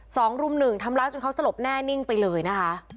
กลุ่มรุ่มหนึ่งทำร้ายจนเขาสลบแน่นิ่งไปเลยนะคะ